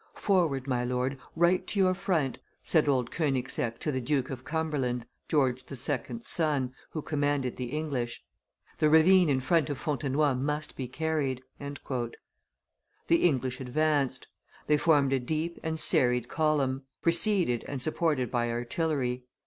"Forward, my lord, right to your front," said old Konigseck to the Duke of Cumberland, George II.'s son, who commanded the English; "the ravine in front of Fontenoy must be carried." The English advanced; they formed a deep and serried column, preceded and supported by artillery.